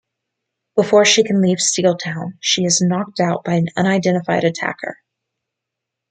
Before she can leave Steeltown, she is knocked out by an unidentified attacker.